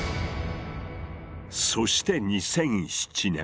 そして２００７年。